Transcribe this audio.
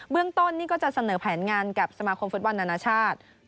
เรื่องต้นนี่ก็จะเสนอแผนงานกับสมาคมฟุตบอลนานาชาติ